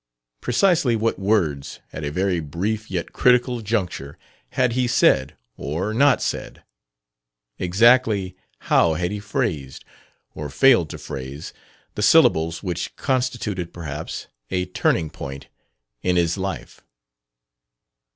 Precisely what words, at a very brief yet critical juncture, had he said, or not said? Exactly how had he phrased or failed to phrase the syllables which constituted, perhaps, a turning point in his life?